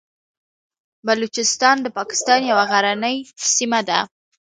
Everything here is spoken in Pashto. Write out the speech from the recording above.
بلوچستان د پاکستان یوه غرنۍ سیمه ده.